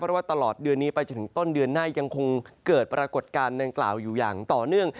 เพราะว่าตลอดเดือนนี้ไปจนถึงต้นเดือนหน้ายังคงเกิดปรากฏการณ์ดังกล่าวอยู่อย่างต่อเนื่อง